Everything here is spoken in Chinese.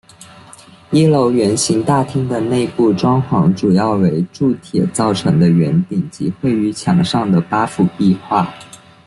一楼圆形大厅的内部装潢主要为铸铁造成的圆顶及绘于墙上的八幅壁画。